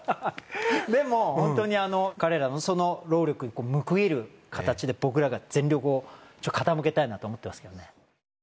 でもホントに彼らの労力に報いる形で僕らが全力を傾けたいなと思ってますけどね